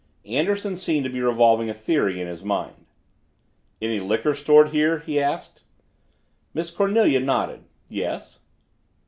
Anderson seemed to be revolving a theory in his mind. "Any liquor stored here?" he asked. Miss Cornelia nodded. "Yes."